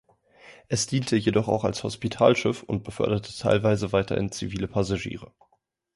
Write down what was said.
Es diente jedoch auch als Hospitalschiff und beförderte teilweise weiterhin zivile Passagiere.